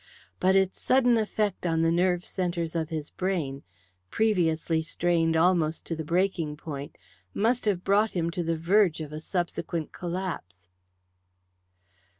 But its sudden effect on the nerve centres of his brain, previously strained almost to the breaking point, must have brought him to the verge of a subsequent collapse.